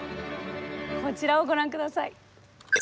こちらをご覧下さい。